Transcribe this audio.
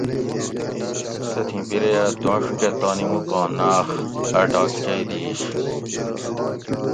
تتھیں بیرے اۤ دونڄ کہۤ تانی موکاں ناۤخ اۤ ڈاگچئ دِیش